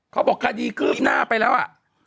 เขาบอกคดีคืบหน้าไปแล้วอ่ะ